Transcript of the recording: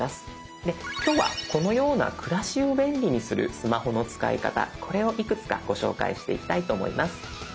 で今日はこのような暮らしを便利にするスマホの使い方これをいくつかご紹介していきたいと思います。